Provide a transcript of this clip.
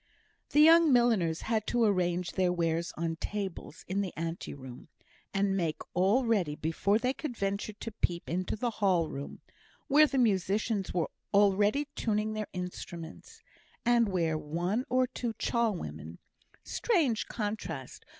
The young milliners had to arrange their wares on tables in the ante room, and make all ready before they could venture to peep into the ball room, where the musicians were already tuning their instruments, and where one or two char women (strange contrast!